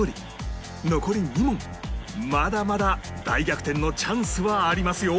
残り２問まだまだ大逆転のチャンスはありますよ